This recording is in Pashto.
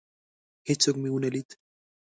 هیڅوک مي ونه لید.